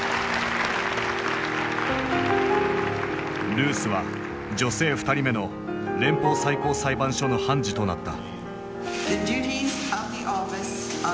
ルースは女性２人目の連邦最高裁判所の判事となった。